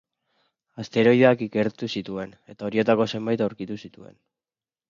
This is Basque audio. Asteroideak ikertu zituen, eta horietako zenbait aurkitu zituen.